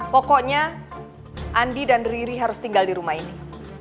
pokoknya andi dan riri harus tinggal di rumah ini